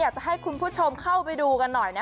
อยากจะให้คุณผู้ชมเข้าไปดูกันหน่อยนะ